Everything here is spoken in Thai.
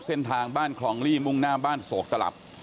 เส้นทางบ้านคลองลี่มุ่งหน้าบ้านโศกตลับ